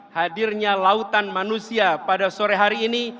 hadirnya lautan manusia pada sore hari ini